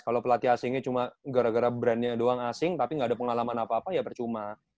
kalau pelatih asingnya cuma gara gara brandnya doang asing tapi nggak ada pengalaman apa apa ya percuma